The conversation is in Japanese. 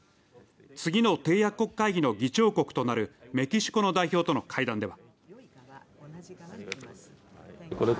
次の締約国会議の議長国となるメキシコの代表との会談では。